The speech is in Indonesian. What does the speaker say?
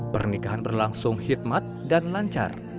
pernikahan berlangsung hikmat dan lancar